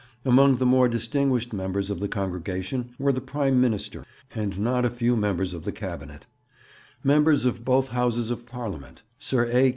Among the more distinguished members of the congregation were the Prime Minister and not a few members of the Cabinet; members of both Houses of Parliament; Sir A.